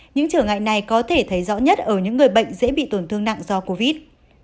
những trở ngại này có thể thấy rõ nhất ở những người bệnh dễ bị tổn thương nặng do covid